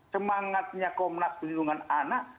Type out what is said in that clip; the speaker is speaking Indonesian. semangatnya komnak perlindungan anak